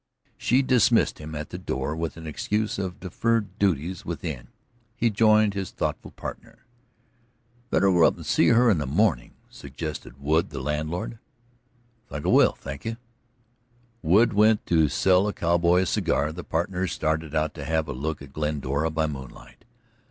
She dismissed him at the door with an excuse of deferred duties within. He joined his thoughtful partner. "Better go up and see her in the morning," suggested Wood, the landlord. "I think I will, thank you." Wood went in to sell a cowboy a cigar; the partners started out to have a look at Glendora by moonlight.